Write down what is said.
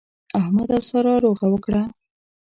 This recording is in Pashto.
احمد او سارا روغه وکړه.